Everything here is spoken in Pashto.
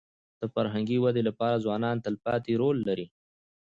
د فرهنګي ودي لپاره ځوانان تلپاتې رول لري.